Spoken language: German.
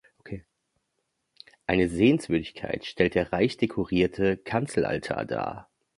Eine Sehenswürdigkeit stellt der reich dekorierte Kanzelaltar dar.